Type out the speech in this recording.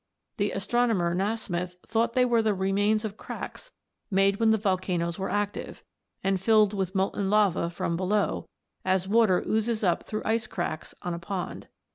The astronomer Nasmyth thought they were the remains of cracks made when the volcanoes were active, and filled with molten lava from below, as water oozes up through ice cracks on a pond.